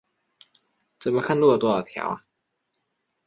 抓住他们！